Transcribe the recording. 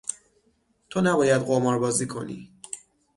تو نباید قماربازی کنی.